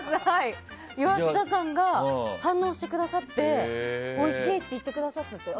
岩下さんが反応してくださっておいしいっって言ってくださって。